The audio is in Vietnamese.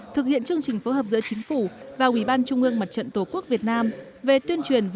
thứ trưởng cao quốc hưng